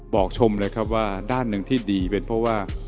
ชมเลยครับว่าด้านหนึ่งที่ดีเป็นเพราะว่า